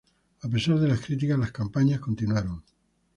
A pesar de las críticas, las "campañas" continuaron.